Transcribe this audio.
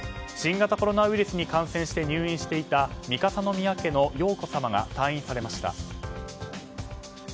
新型コロナウイルスに感染して入院していた三笠宮家の瑶子さまが退院されました。